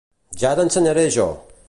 Ja t'ensenyaré jo!